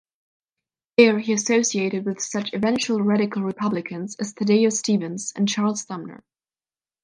There, he associated with such eventual Radical Republicans as Thaddeus Stevens and Charles Sumner.